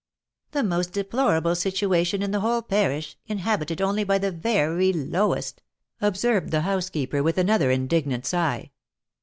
" The most deplorable situation in the whole parish ! inhabited only by the very lowest !" observed the housekeeper, with another indignant sigh.